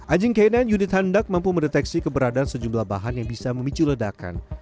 anjing k sembilan unit handak mampu mendeteksi keberadaan sejumlah bahan yang bisa memicu ledakan